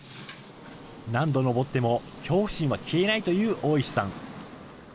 何度上っても恐怖心は消えないという大石さん。